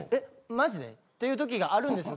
マジで？っていう時があるんですよ。